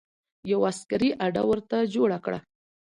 یوه عسکري اډه ورته جوړه کړه.